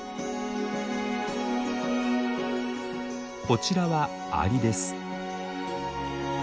こちらはアリです。